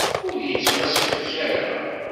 Ur yettwasefrak ara.